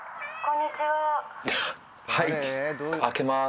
ハッはい開けます。